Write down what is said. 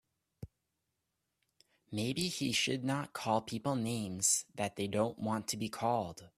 Maybe he should not call people names that they don't want to be called.